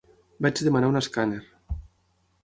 Vaig demanar un escàner.